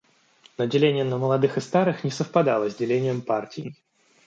Но деление на молодых и старых не совпадало с делением партий.